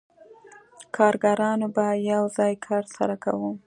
کارګرانو به یو ځای کار سره کاوه